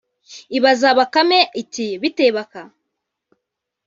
ibaza Bakame iti “Bite Baka